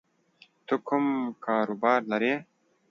ته کوم کاروبار لری